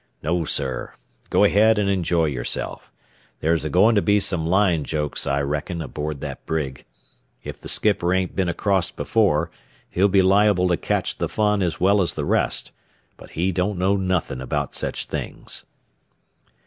No, sir; go ahead and enjoy yourself. There's a goin' to be some line jokes, I reckon, aboard that brig. If the skipper ain't been acrost before, he'll be liable to catch the fun as well as the rest, but he don't know nothin' about sech things."